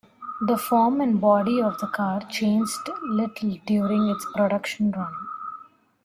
The form and body of the car changed little during its production run.